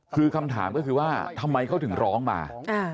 คือคำถามก็คือว่าทำไมเขาถึงร้องมา